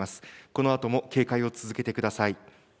このあとも警戒を続けてください。